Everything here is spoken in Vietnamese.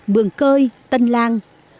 mường cơi tân lan